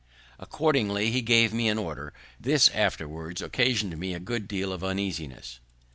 Accordingly, he gave me an order. This afterwards occasion'd me a good deal of uneasiness.